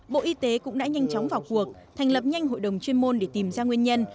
bộ y tế cũng đã nhanh chóng vào cuộc thành lập nhanh hội đồng chuyên môn để tìm ra nguyên nhân